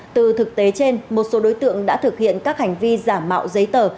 từ thực tế trên một số đối tượng đã thực hiện các hành vi giả mạo giấy tờ